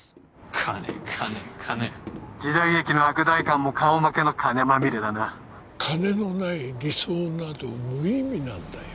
金金金時代劇の悪代官も顔負けの金まみれだな金のない理想など無意味なんだよ